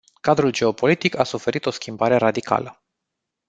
Cadrul geopolitic a suferit o schimbare radicală.